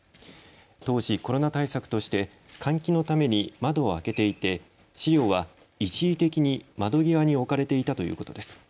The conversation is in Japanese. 当時、コロナ対策として換気のために窓を開けていて資料は一時的に窓際に置かれていたということです。